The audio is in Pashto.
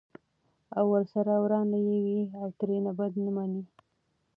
او ورسره ورانه یې وي او ترېنه بده مني!